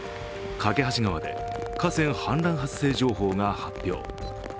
梯川で河川氾濫発生情報が発表。